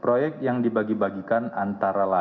proyek yang dibagi bagikan antara latar belakang